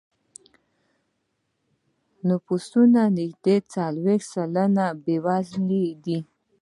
د نفوسو نږدې څلوېښت سلنه بېوزله دی.